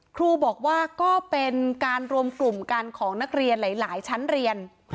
ครูบอกว่าก็เป็นการรวมกลุ่มกันของนักเรียนหลายชั้นเรียน